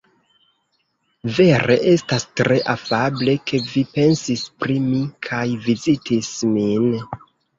Vere estas tre afable, ke vi pensis pri mi kaj vizitis min.